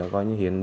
gọi như hiền đất